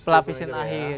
pelapis yang akhir